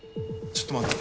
ちょっと待って。